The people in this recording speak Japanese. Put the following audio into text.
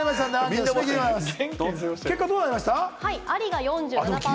結果はこうなりました。